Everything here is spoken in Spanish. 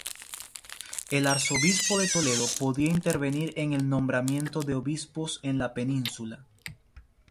El arzobispo de Toledo podía intervenir en el nombramiento de obispos en la península.